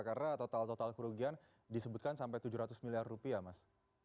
karena total total kerugian disebutkan sampai tujuh ratus miliar rupiah mas